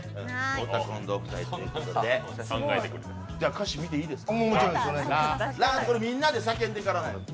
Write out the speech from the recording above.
歌詞見ていいですか。